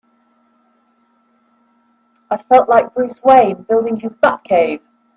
I felt like Bruce Wayne building his Batcave!